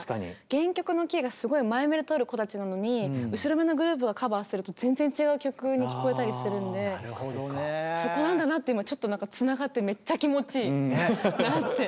原曲のキーがすごい前めでとる子たちなのに後ろめのグループがカバーすると全然違う曲に聴こえたりするんでそこなんだなって今ちょっとつながってめっちゃ気持ちいいなって。